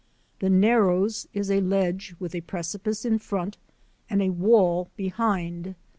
The Narrows is a ledge with a precipice in front and a wall behind.